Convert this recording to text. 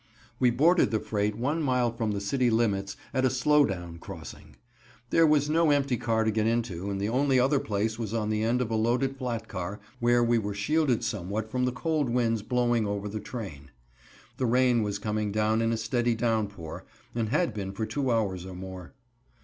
We boarded the freight one mile from the city limits at a slow down crossing. There was no empty car to get into and the only other place was on the end of a loaded flat car, where we were shielded somewhat from the cold winds blowing over the train. The rain was coming down in a steady downpour, and had been for two hours or more.